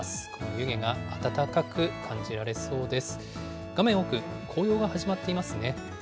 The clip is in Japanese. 湯気があたたかく感じられそうです。